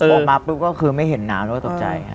ออกมาปุ๊บก็คือไม่เห็นน้ำแล้วก็ตกใจ